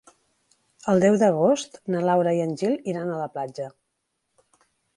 El deu d'agost na Laura i en Gil iran a la platja.